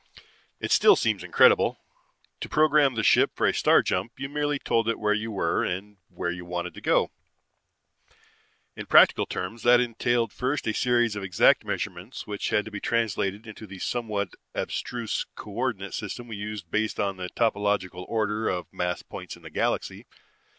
"It still seems incredible. To program the ship for a star jump, you merely told it where you were and where you wanted to go. In practical terms, that entailed first a series of exact measurements which had to be translated into the somewhat abstruse co ordinate system we used based on the topological order of mass points in the galaxy.